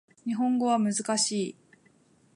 日本語は難しい